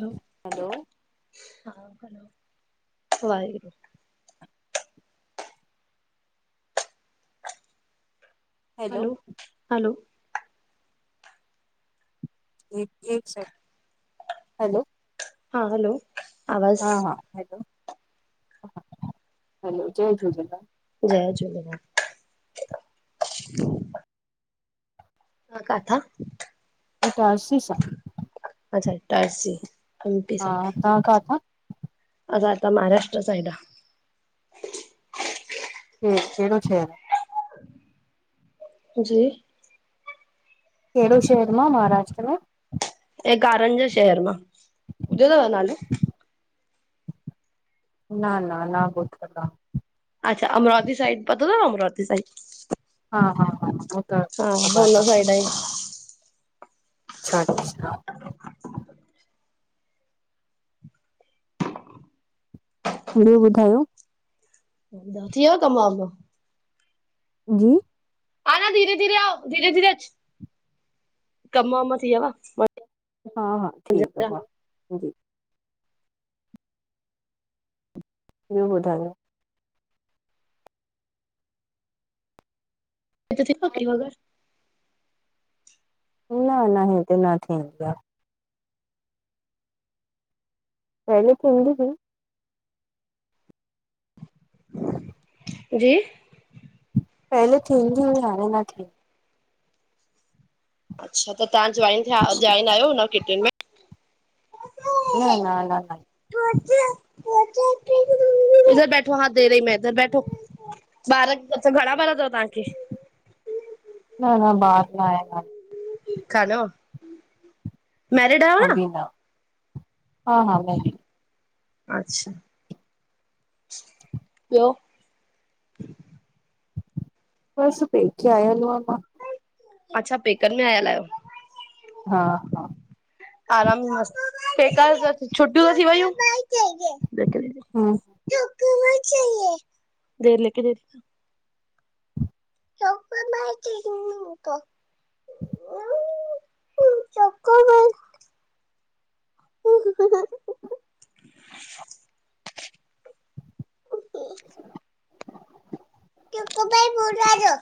हलो hello हा Waheguru. Hello hello, hello एक, एक सेकेंड हलो हा हलो। आवाज़ हा हा हलो हलो जय झूलेलाल। जय झूलेलाल। ह तव्हां काथा?? इ त अ सीसा। अच्छा इटारसी एमपी हा साइड तव्हां ख था। असां हिथा महाराष्ट्र साइड आ क कहिड़ो श। जी। कहिड़ो शहर मां महाराष्ट्र में। ऐं कारनि जे शहर मां ॿुधो अथव नालो? ना, ना, ना, ॿुधल आ अच्छा, अमरावती साइड पतो थव अमरावती साइड हा हा हा हो त हा ख़बर होन आ साइड आहीं। अच्छा अच्छा। ॿियो ॿुधायो। थी वयो कमु वांदो। जी। ह न धीरे धीरे आ धीरे धीरे कम वम थी विया। हा हा ठीकु आ वा जी ूं ॿुधायो। [unintelligible] न न हेते न थींदी आहे। पैले थींदी हुइ जी पहले थींदी हु हाणे न थी। अच्छा त तव्हां जॉइन थिया जॉइन आहियो न किटन में न न न न। इधर बैठो हा दे रही में इधर बैठो। ॿार म घणा ॿार तव तव्हांखे। न न बार न आया न हलो मैरिड आहियो न?? हा, हा मेंहदी अच्छा ॿियो बस पेखे आयाल मां। अच्छा पेकर में आयल आहियो। हा हा आराम मस्त ठक छुटियूं त थी वयुं। हा देर ले। र। [unintelligible] [unintelligible] ओके कक भई बल जो